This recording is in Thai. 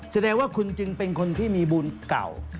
แสดงว่าคุณจึงเป็นคนที่มีบุญเก่า